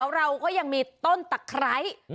เราก็ยังมีต้นตะไคร้